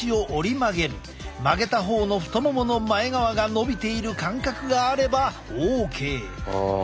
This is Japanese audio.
曲げた方の太ももの前側が伸びている感覚があればＯＫ。